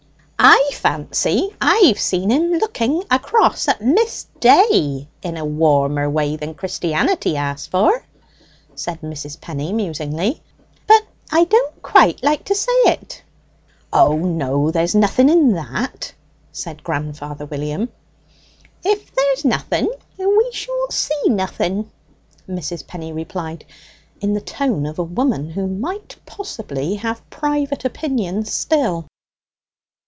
"I fancy I've seen him look across at Miss Day in a warmer way than Christianity asked for," said Mrs. Penny musingly; "but I don't quite like to say it." "O no; there's nothing in that," said grandfather William. "If there's nothing, we shall see nothing," Mrs. Penny replied, in the tone of a woman who might possibly have private opinions still.